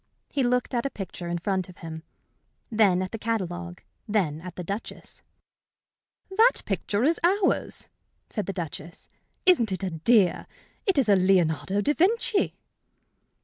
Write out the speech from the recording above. He looked at a picture in front of him, then at the catalogue, then at the Duchess. "That picture is ours," said the Duchess. "Isn't it a dear? It's a Leonardo da Vinci."